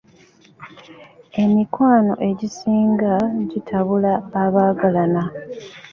Emikwano egisinga gitabula abaagalana.